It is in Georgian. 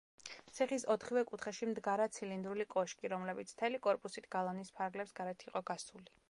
ციხის ოთხივე კუთხეში მდგარა ცილინდრული კოშკი, რომლებიც მთელი კორპუსით გალავნის ფარგლებს გარეთ იყო გასული.